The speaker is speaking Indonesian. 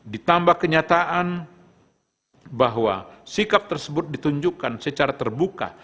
ditambah kenyataan bahwa sikap tersebut ditunjukkan secara terbuka